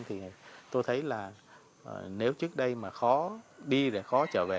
thì tôi thấy là nếu trước đây mà khó đi để khó trở về